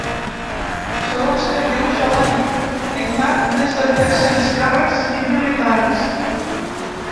Segons que diu, ja l’han signat més de tres-cents càrrecs i militants.